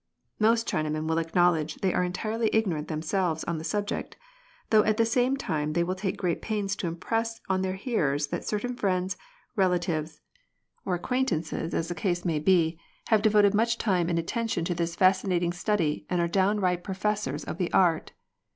Most Chinamen will acknowledge they are entirely ignorant themselves on the subject, though at the same time they will take great pains to impress on their hearers that certain friends, relatives, or acquaintances as the Fi, NG SHUI. 143 case may be, have devoted much time and attention to this fascinating study and are downright professors of the art.